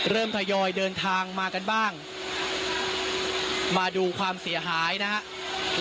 เริ่มทยอยเดินทางมากันบ้างมาดูความเสียหายนะฮะ